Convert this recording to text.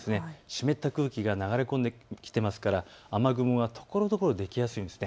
湿った空気が流れ込んできているので雨雲がところどころできやすいんです。